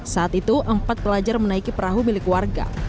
saat itu empat pelajar menaiki perahu milik warga